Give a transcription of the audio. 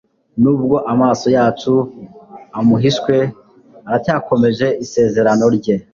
Nubwo amaso yacu amuhishwe, aracyakomeje isezerano rye